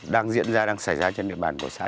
đang diễn ra đang xảy ra trên địa bàn của xã